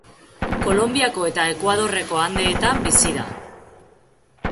Kolonbiako eta Ekuadorreko Andeetan bizi da.